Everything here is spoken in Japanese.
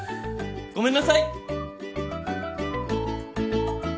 ごめんなさい！